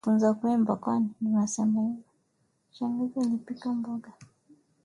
Shangazi alipika mboga.